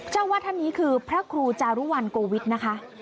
เจ้าวาดท่านนี้คือพระครูจารุวัลโกวิทย์นะคะ